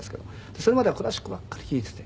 それまではクラシックばっかり聴いてて。